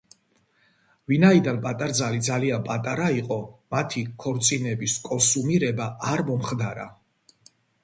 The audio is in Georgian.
ვინაიდან პატარძალი ძალიან პატარა იყო, მათი ქორწინების კონსუმირება არ მომხდარა.